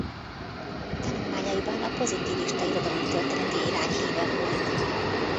Tanulmányaiban a pozitivista irodalomtörténeti irány híve volt.